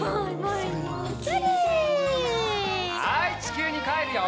はいちきゅうにかえるよ。